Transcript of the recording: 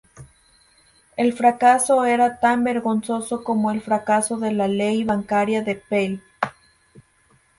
El fracaso era tan vergonzoso como el fracaso de la Ley bancaria de Peel.